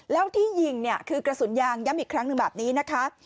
แล้วที่ยิงเนี่ยคือกระสุนยางย้ำอีกครั้งหนึ่งแบบนี้นะคะ